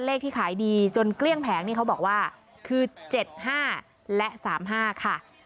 เลขที่ขายดีจนเกลี้ยงแผงนี่เขาบอกว่าคือเจ็ดห้าและสามห้าค่ะ